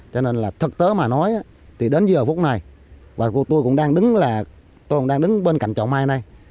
cho nên là thực tế mà nói thì đến giờ phút này và cô tôi cũng đang đứng là tôi cũng đang đứng bên cạnh chậu mai này